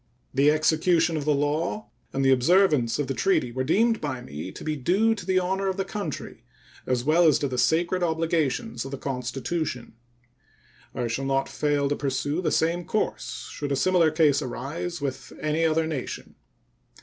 The execution of the law and the observance of the treaty were deemed by me to be due to the honor of the country, as well as to the sacred obligations of the Constitution. I shall not fail to pursue the same course should a similar case arise with any other nation.